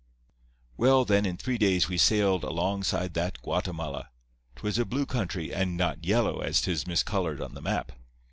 "Well, then, in three days we sailed alongside that Guatemala. 'Twas a blue country, and not yellow as 'tis miscolored on the map.